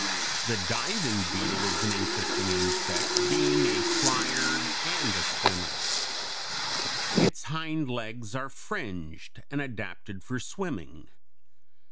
The diving beetle is an interesting insect, being a flier and a swimmer. Its hind legs are fringed and adapted for swimming.